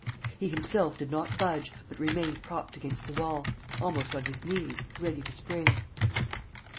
He himself did not budge, but remained propped against the wall, almost on his knees, ready to spring.